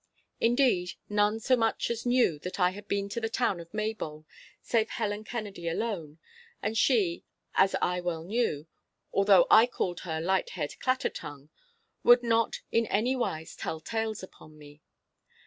Indeed, none so much as knew that I had been to the town of Maybole save Helen Kennedy alone; and she, as I well knew (although I called her Light head Clattertongue), would not in any wise tell tales upon me.